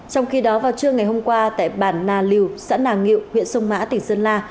trong khi đó vào trưa ngày hôm qua tại bản nà liều xã nàng nghị huyện sông mã tỉnh sơn la